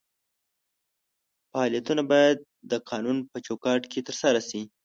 فعالیتونه باید د قانون په چوکاټ کې ترسره شي.